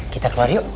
kita keluar yuk